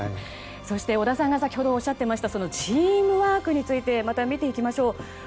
そして、織田さんが先ほどおっしゃっていましたチームワークについて見ていきましょう。